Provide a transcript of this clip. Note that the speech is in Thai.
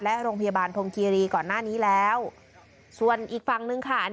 และโรงพยาบาลธมคีรีก่อนหน้านี้แล้วส่วนอีกฝั่งนึงค่ะ